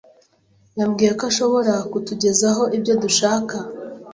yambwiye ko ashobora kutugezaho ibyo dushaka.